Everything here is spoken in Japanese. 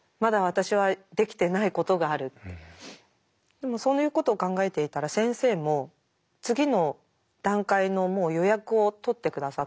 でもそういうことを考えていたら先生も次の段階のもう予約を取って下さったんですね。